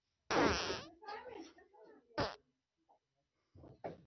لیبرال ګوند بریالی شوی دی.